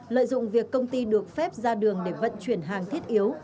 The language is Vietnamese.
lợi dụng việc công ty được phép ra đường để vận chuyển hàng thiết yếu